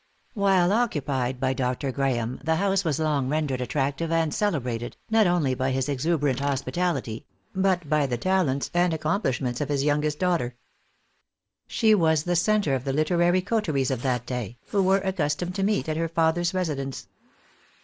While occupied by Dr. Graeme, the house was long rendered attractive and celebrated, not only by his exuberant hospitality, but by the talents and accomplishments of his youngest daughter. She was the centre of the literary coteries of that day, who were accustomed to meet at her father's residence.